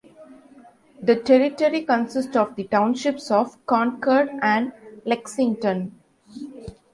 The territory consists of the townships of Concord and Lexington.